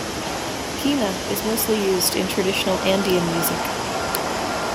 Quena is mostly used in traditional Andean music.